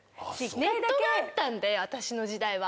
ネットがあったんで私の時代は。